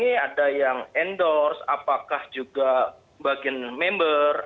ini ada yang endorse apakah juga bagian member